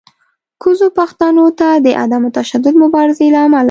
کوزو پښتنو ته د عدم تشدد مبارزې له امله